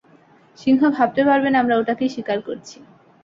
সিংহ ভাবতে পারবে না আমরা ওটাকেই শিকার করছি।